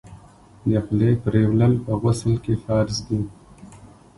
د خولې پریولل په غسل کي فرض دي.